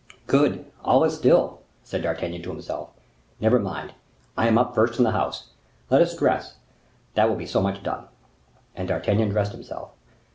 "Good! all is still," said D'Artagnan to himself. "Never mind: I am up first in the house. Let us dress; that will be so much done." And D'Artagnan dressed himself.